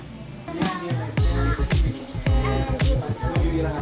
bisa jalan bisa jalan